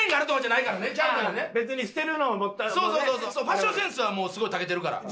ファッションセンスはもうすごい長けてるから。